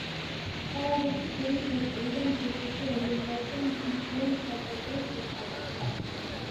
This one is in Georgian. ყარაბაღის ომის დაწყებიდან თურქეთი აზერბაიჯანს მთლიან მხარდაჭერას უცხადებდა.